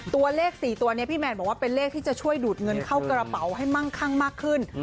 ตัวเลข๔ตัวนี้พี่แมนบอกว่าเป็นเลขที่จะช่วยดูดเงินเข้ากระเป๋าให้มั่งคั่งมากขึ้น